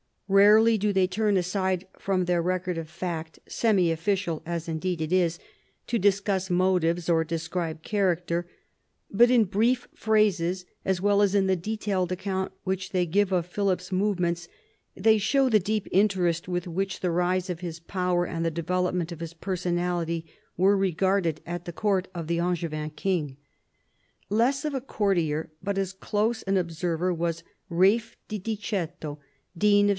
Rarely do they turn aside from their record of fact, semi official as indeed it is, to discuss motives or describe character, but in brief phrases, as well as in the detailed account which they give of Philip's movements, they show the deep interest with which the rise of his power and the development of his personality were regarded at the court of the Angevin king. Less of a courtier, but as close an observer, was Ralph de Diceto, Dean of S.